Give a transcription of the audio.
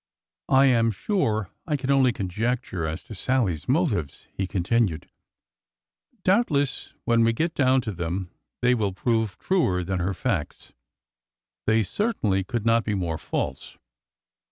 " I am sure I can only conjecture as to Sallie's motives," he continued. " Doubtless, when we get down to them they will prove truer than her facts. They certainly could not be more false."